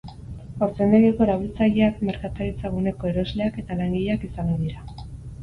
Haurtzaindegiko erabiltzaileak merkataritza-guneko erosleak eta langileak izan ohi dira.